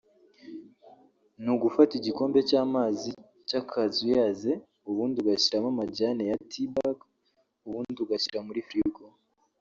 ni ugufata igikombe cy’amazi cy’akazuyaze ubundi ugashyiramo amajyane ya tea bag ubundi ugashyira muri frigo